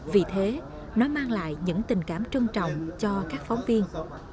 vì thế nó mang lại những tình cảm trân trọng cho các phóng viên